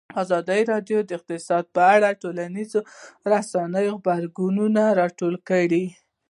ازادي راډیو د اقتصاد په اړه د ټولنیزو رسنیو غبرګونونه راټول کړي.